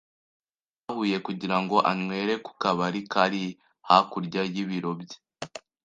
Twahuye kugira ngo anywere ku kabari kari hakurya y'ibiro bye.